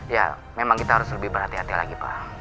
ya memang kita harus lebih berhati hati lagi pak